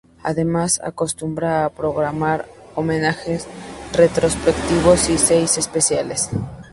Además, acostumbra a programar homenajes, retrospectivas y sesiones especiales.